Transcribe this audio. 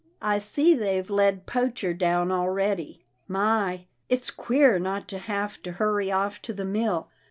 I see they've led Poacher down already. My ! it's queer not to have to hurry off to the mill.